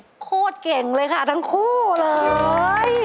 โคตรเก่งเลยค่ะทั้งคู่เลย